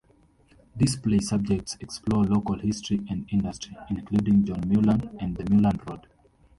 Display subjects explore local history and industry, including John Mullan and the Mullan Road.